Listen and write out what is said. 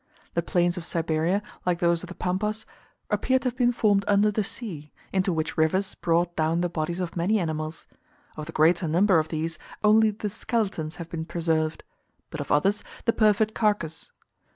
The plains of Siberia, like those of the Pampas, appear to have been formed under the sea, into which rivers brought down the bodies of many animals; of the greater number of these, only the skeletons have been preserved, but of others the perfect carcass.